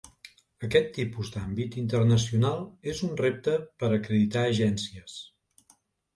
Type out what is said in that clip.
Aquest tipus d'àmbit internacional és un repte per acreditar agències.